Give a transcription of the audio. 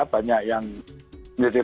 banyak yang menjadi korban pandemi